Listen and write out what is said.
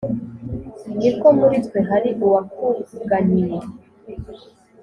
Niko muri twe hari uwakuganyiye